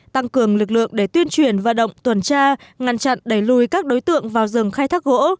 tăng cường lực lượng để tuyên truyền vận động tuần tra ngăn chặn đẩy lùi các đối tượng vào rừng khai thác gỗ